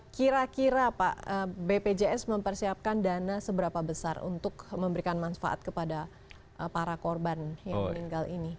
kira kira pak bpjs mempersiapkan dana seberapa besar untuk memberikan manfaat kepada para korban yang meninggal ini